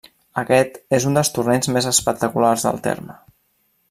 Aquest és un dels torrents més espectaculars del terme.